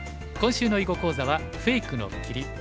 今週の囲碁講座は「フェイクの切り」。